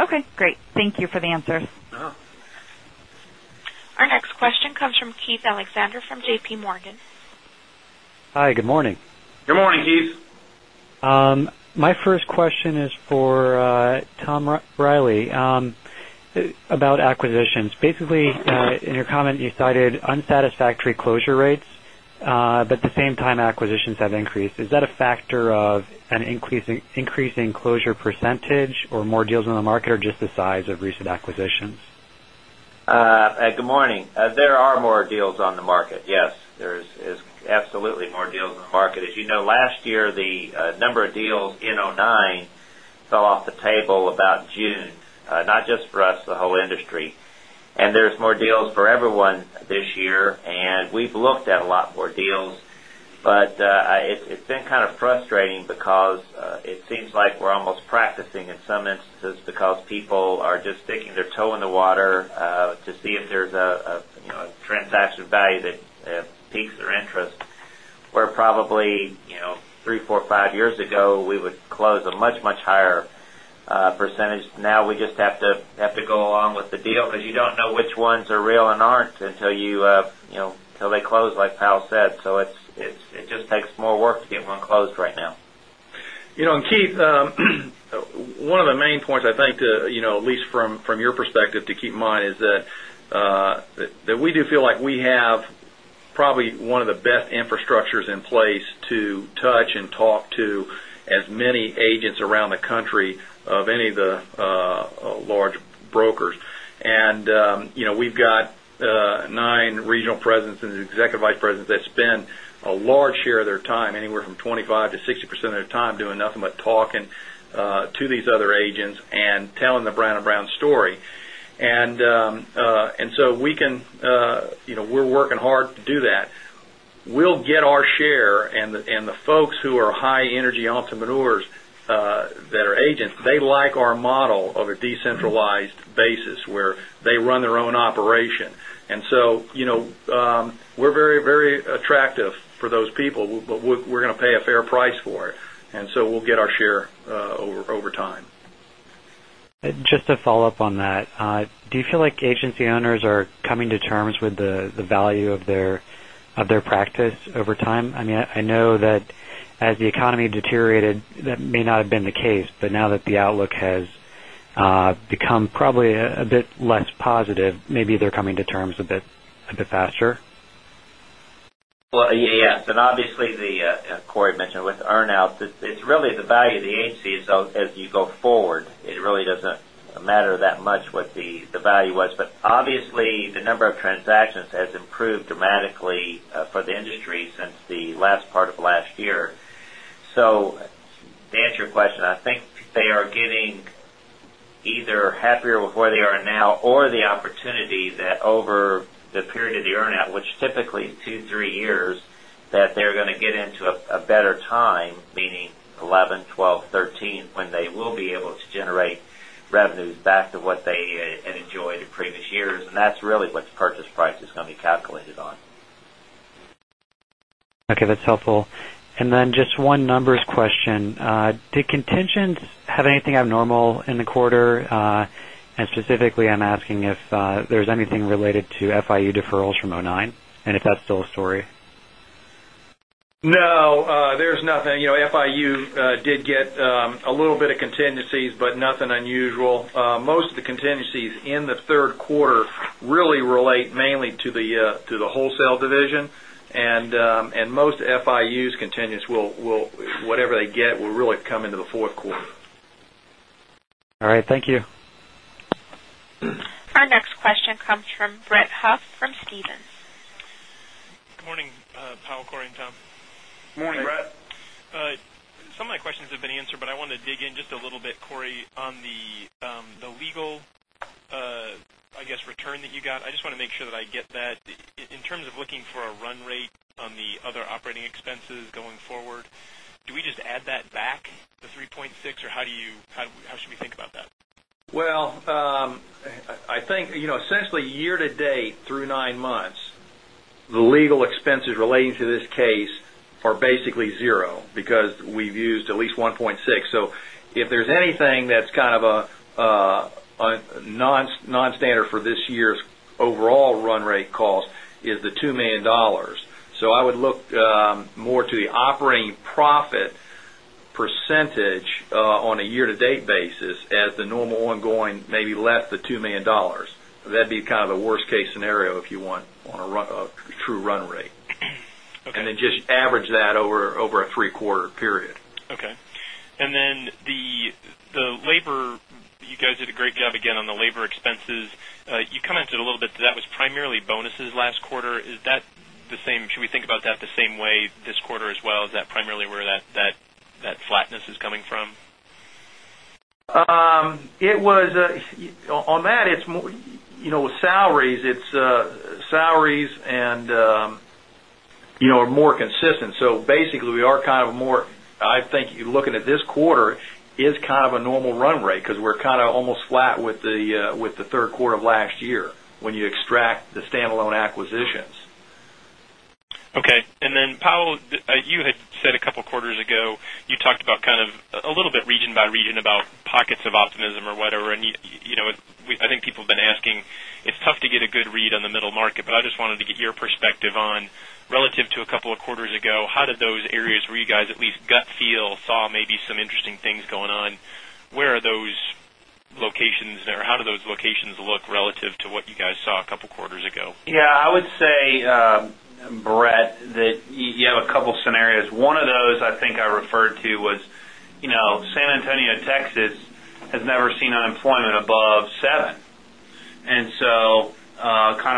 Okay, great. Thank you for the answers. Our next question comes from Keith Alexander from J.P. Morgan. Hi, good morning. Good morning, Keith. My first question is for Tom Reilly about acquisitions. Basically, in your comment, you cited unsatisfactory closure rates, but at the same time, acquisitions have increased. Is that a factor of an increasing closure percentage or more deals in the market, or just the size of recent acquisitions? Good morning. There are more deals on the market, yes. There's absolutely more deals in the market. As you know, last year, the number of deals in 2009 fell off the table about June. Not just for us, the whole industry. There's more deals for everyone this year, and we've looked at a lot more deals. It's been kind of frustrating because it seems like we're almost practicing in some instances because people are just sticking their toe in the water to see if there's a transaction value that piques their interest. Where probably 3, 4, 5 years ago, we would close a much, much higher percent. Now we just have to go along with the deal, because you don't know which ones are real and aren't until they close, like Powell said. It just takes more work to get one closed right now. Keith, one of the main points I think, at least from your perspective to keep in mind, is that we do feel like we have probably one of the best infrastructures in place to touch and talk to as many agents around the country of any of the large brokers. We've got 9 regional presidents and executive vice presidents that spend a large share of their time, anywhere from 25% to 60% of their time, doing nothing but talking to these other agents and telling the Brown & Brown story. We're working hard to do that. We'll get our share, and the folks who are high-energy entrepreneurs that are agents, they like our model of a decentralized basis where they run their own operation. We're very attractive for those people. We're going to pay a fair price for it. We'll get our share over time. Just to follow up on that, do you feel like agency owners are coming to terms with the value of their practice over time? I know that as the economy deteriorated, that may not have been the case, but now that the outlook has become probably a bit less positive, maybe they're coming to terms a bit faster? Well, yes. Obviously, Cory mentioned with earn-outs, it's really the value of the agency as you go forward. It really doesn't matter that much what the value was. Obviously, the number of transactions has improved dramatically for the industry since the last part of last year. To answer your question, I think they are getting either happier with where they are now or the opportunity that over the period of the earn-out, which typically is two, three years, that they're going to get into a better time, meaning 2011, 2012, 2013, when they will be able to generate revenues back to what they had enjoyed in previous years. That's really what the purchase price is going to be calculated on. Okay, that's helpful. Just one numbers question. Did contingents have anything abnormal in the quarter? Specifically, I'm asking if there's anything related to FIU deferrals from 2009, and if that's still a story. No, there's nothing. FIU did get a little bit of contingencies, but nothing unusual. Most of the contingencies in the third quarter really relate mainly to the wholesale division. Most FIU contingencies, whatever they get, will really come into the fourth quarter. All right. Thank you. Our next question comes from Brett Huff from Stephens. Good morning, Powell, Cory, and Tom. Morning, Brett. Some of my questions have been answered, but I want to dig in just a little bit, Cory, on the legal return that you got. I just want to make sure that I get that. In terms of looking for a run rate on the other operating expenses going forward, do we just add that back, the $3.6, or how should we think about that? I think essentially year-to-date through nine months, the legal expenses relating to this case are basically zero because we've used at least $1.6 million. If there's anything that's a non-standard for this year's overall run rate cost is the $2 million. I would look more to the operating profit percentage on a year-to-date basis as the normal ongoing, maybe less the $2 million. That'd be the worst-case scenario if you want on a true run rate. Okay. Just average that over a three-quarter period. The labor, you guys did a great job again on the labor expenses. You commented a little bit that that was primarily bonuses last quarter. Should we think about that the same way this quarter as well? Is that primarily where that flatness is coming from? On that, with salaries, it's salaries and are more consistent. Basically, I think looking at this quarter is a normal run rate because we're almost flat with the third quarter of last year when you extract the standalone acquisitions. Okay. Powell, you had said a couple of quarters ago, you talked about a little bit region by region about pockets of optimism or whatever. I think people have been asking, it's tough to get a good read on the middle market, but I just wanted to get your perspective on relative to a couple of quarters ago, how did those areas where you guys at least gut feel saw maybe some interesting things going on, where are those locations or how do those locations look relative to what you guys saw a couple quarters ago? Yeah, I would say, Brett, that you have a couple of scenarios. One of those I think I referred to was San Antonio, Texas has never seen unemployment above seven.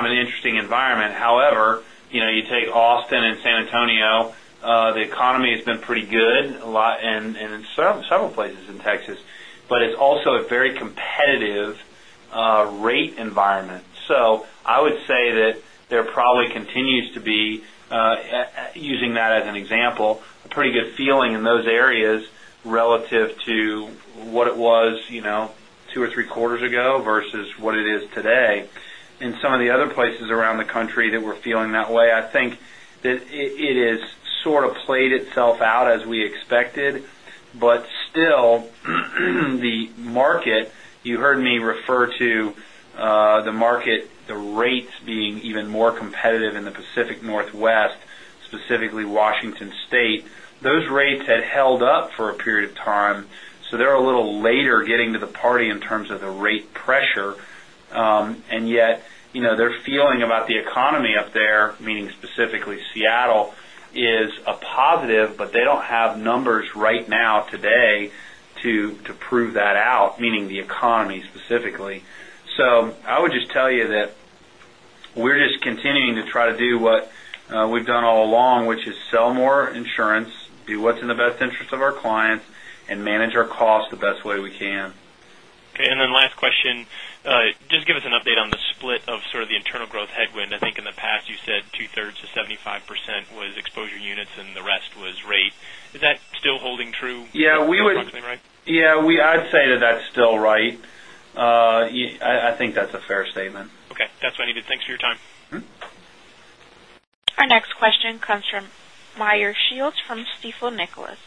An interesting environment. However, you take Austin and San Antonio, the economy has been pretty good in several places in Texas. It's also a very competitive rate environment. I would say that there probably continues to be, using that as an example, a pretty good feeling in those areas relative to what it was two or three quarters ago versus what it is today. In some of the other places around the country that we're feeling that way, I think That it has sort of played itself out as we expected, Still, the market, you heard me refer to the market, the rates being even more competitive in the Pacific Northwest, specifically Washington State. Those rates had held up for a period of time, They're a little later getting to the party in terms of the rate pressure. Yet, their feeling about the economy up there, meaning specifically Seattle, is a positive, They don't have numbers right now today to prove that out, meaning the economy specifically. I would just tell you that we're just continuing to try to do what we've done all along, which is sell more insurance, do what's in the best interest of our clients, and manage our costs the best way we can. Okay, last question. Just give us an update on the split of sort of the internal growth headwind. I think in the past you said two-thirds to 75% was exposure units and the rest was rate. Is that still holding true? Yeah. That sounds about right? Yeah, I'd say that that's still right. I think that's a fair statement. Okay. That's what I needed. Thanks for your time. Our next question comes from Meyer Shields from Stifel Nicolaus.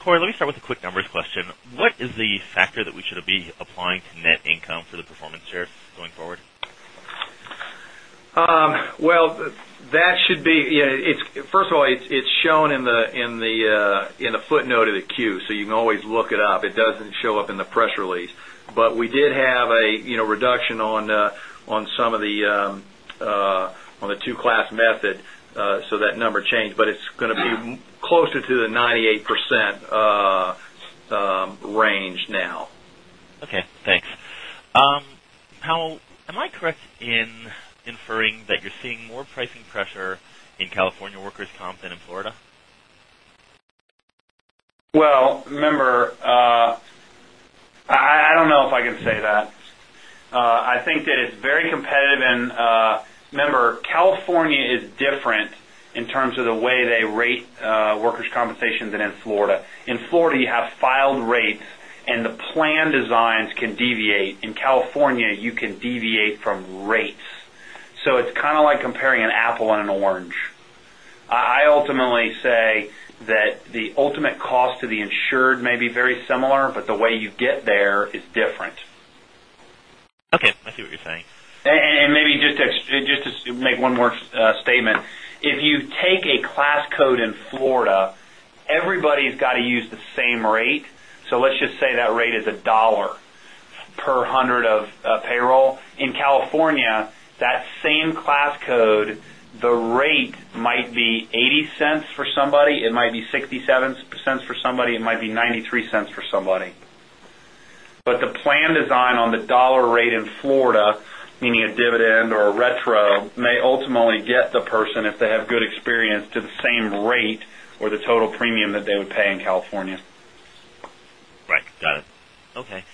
Cory, let me start with a quick numbers question. What is the factor that we should be applying to net income for the performance shares going forward? Well, first of all, it's shown in the footnote of the Q, so you can always look it up. It doesn't show up in the press release. We did have a reduction on the two-class method, that number changed, it's going to be closer to the 98% range now. Okay, thanks. Am I correct in inferring that you're seeing more pricing pressure in California workers' comp than in Florida? Well, remember, I don't know if I can say that. I think that it's very competitive and, remember, California is different in terms of the way they rate workers' compensation than in Florida. In Florida, you have filed rates and the plan designs can deviate. In California, you can deviate from rates. It's kind of like comparing an apple and an orange. I ultimately say that the ultimate cost to the insured may be very similar, but the way you get there is different. Okay. I see what you're saying. Maybe just to make one more statement. If you take a class code in Florida, everybody's got to use the same rate, so let's just say that rate is a $1 per hundred of payroll. In California, that same class code, the rate might be $0.80 for somebody, it might be $0.67 for somebody, it might be $0.93 for somebody. The plan design on the $1 rate in Florida, meaning a dividend or a retro, may ultimately get the person, if they have good experience, to the same rate or the total premium that they would pay in California. Right. Got it. Okay.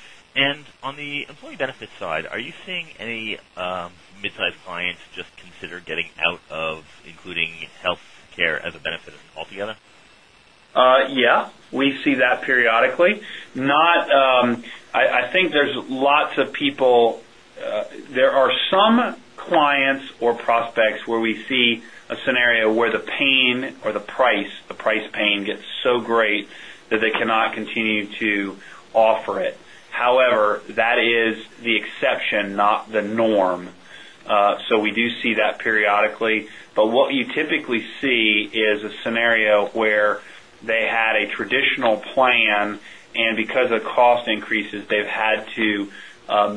On the employee benefit side, are you seeing any midsize clients just consider getting out of including healthcare as a benefit altogether? Yeah. We see that periodically. I think there's lots of people. There are some clients or prospects where we see a scenario where the pain or the price, the price pain gets so great that they cannot continue to offer it. However, that is the exception, not the norm. We do see that periodically, but what you typically see is a scenario where they had a traditional plan, and because of cost increases, they've had to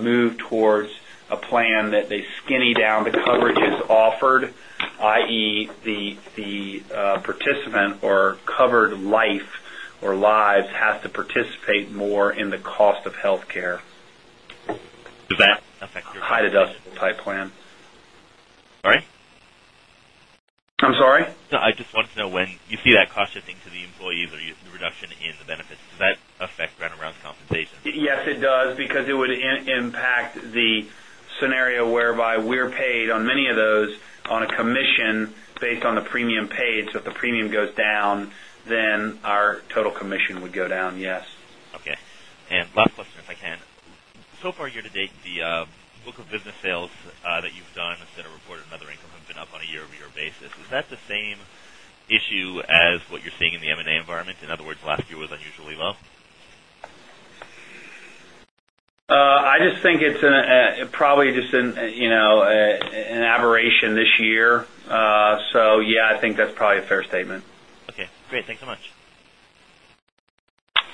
move towards a plan that they skinny down the coverages offered, i.e., the participant or covered life or lives has to participate more in the cost of healthcare. Does that affect your. High deductible type plan. Sorry? I'm sorry? No, I just wanted to know when you see that cost shifting to the employees or the reduction in the benefits, does that affect Brown & Brown's compensation? Yes, it does, because it would impact the scenario whereby we're paid on many of those on a commission based on the premium paid. If the premium goes down, our total commission would go down, yes. Okay. Last question, if I can. Far, year to date, the book of business sales that you've done that are reported in other income have been up on a year-over-year basis. Is that the same issue as what you're seeing in the M&A environment? In other words, last year was unusually low? I just think it's probably just an aberration this year. Yeah, I think that's probably a fair statement. Okay, great. Thanks so much.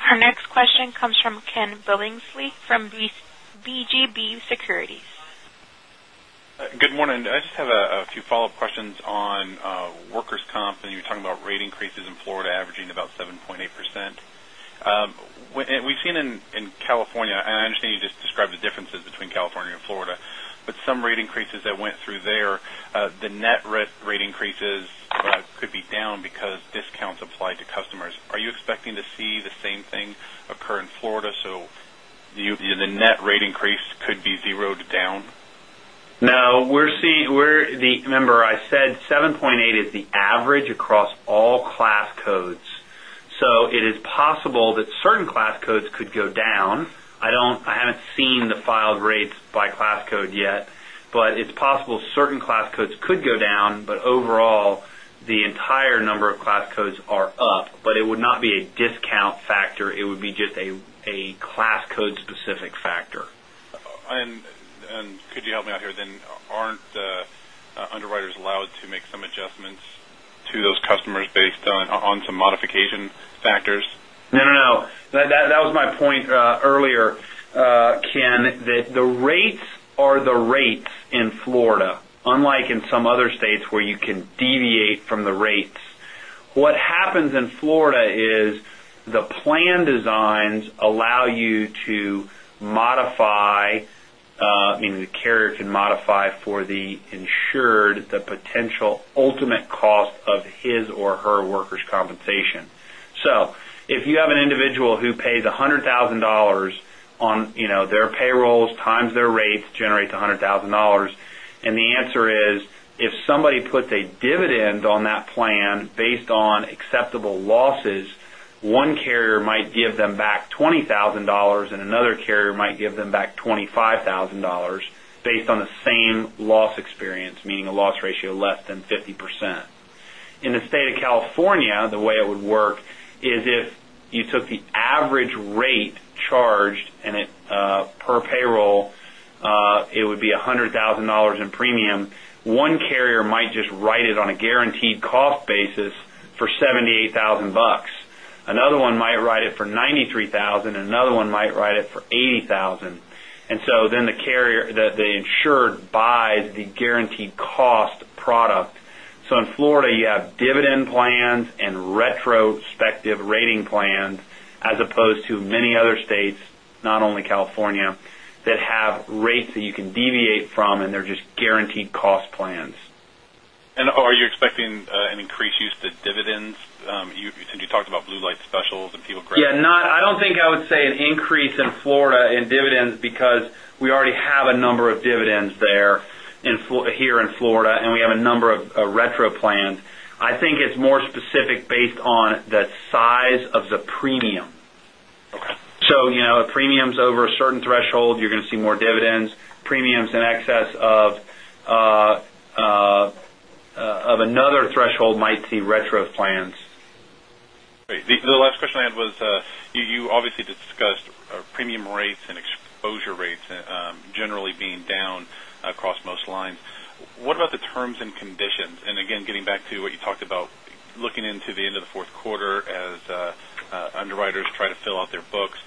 Our next question comes from Kenneth Billingsley from BGB Securities. Good morning. I just have a few follow-up questions on workers' comp. You were talking about rate increases in Florida averaging about 7.8%. We've seen in California, and I understand you just described the differences between California and Florida, some rate increases that went through there, the net rate increases could be down because discounts applied to customers. Are you expecting to see the same thing occur in Florida, so the net rate increase could be 0 to down? No. Remember I said 7.8 is the average across all class codes. It is possible that certain class codes could go down. I haven't seen the filed rates by class code yet, it's possible certain class codes could go down, overall, the entire number of class codes are up. It would not be a discount factor. It would be just a class code specific factor. Could you help me out here then? Aren't underwriters allowed to make some adjustments to those customers based on some modification factors? No. That was my point earlier, Ken, that the rates are the rates in Florida, unlike in some other states where you can deviate from the rates. What happens in Florida is the plan designs allow you to modify, meaning the carrier can modify for the insured, the potential ultimate cost of his or her workers' compensation. If you have an individual who pays $100,000 on their payrolls, times their rates, generates $100,000, and the answer is, if somebody puts a dividend on that plan based on acceptable losses, one carrier might give them back $20,000, and another carrier might give them back $25,000 based on the same loss experience, meaning a loss ratio less than 50%. In the state of California, the way it would work is if you took the average rate charged per payroll, it would be $100,000 in premium. One carrier might just write it on a guaranteed cost basis for $78,000. Another one might write it for $93,000, and another one might write it for $80,000. The insured buys the guaranteed cost product. In Florida, you have dividend plans and retrospective rating plans as opposed to many other states, not only California, that have rates that you can deviate from, and they're just guaranteed cost plans. Are you expecting an increased use to dividends? You talked about blue light specials? Yeah. I don't think I would say an increase in Florida in dividends because we already have a number of dividends here in Florida, and we have a number of retro plans. I think it's more specific based on the size of the premium. Okay. Premiums over a certain threshold, you're going to see more dividends. Premiums in excess of another threshold might see retro plans. Great. The last question I had was, you obviously discussed premium rates and exposure rates generally being down across most lines. What about the terms and conditions? Again, getting back to what you talked about, looking into the end of the fourth quarter as underwriters try to fill out their books,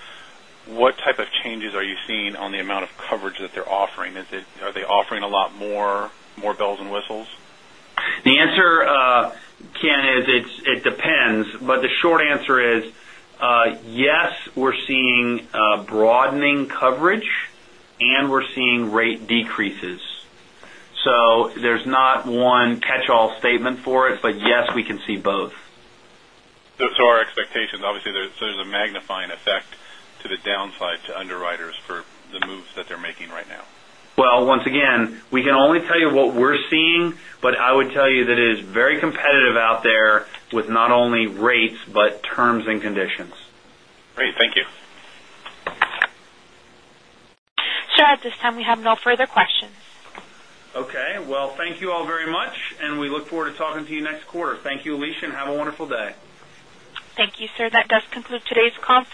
what type of changes are you seeing on the amount of coverage that they're offering? Are they offering a lot more bells and whistles? The answer, Ken, is it depends, but the short answer is, yes, we're seeing broadening coverage, and we're seeing rate decreases. There's not one catchall statement for it, but yes, we can see both. Our expectations, obviously, there's a magnifying effect to the downside to underwriters for the moves that they're making right now. Well, once again, we can only tell you what we're seeing, but I would tell you that it is very competitive out there with not only rates, but terms and conditions. Great. Thank you. Sir, at this time, we have no further questions. Okay. Well, thank you all very much, and we look forward to talking to you next quarter. Thank you, Alicia, and have a wonderful day. Thank you, sir. That does conclude today's conference.